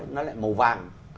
nó lại màu vàng